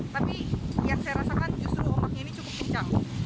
tapi yang saya rasakan justru ombaknya ini cukup kencang